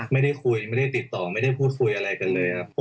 ไม่ได้คุยไม่ได้ติดต่อไม่ได้พูดคุยอะไรกันเลยครับ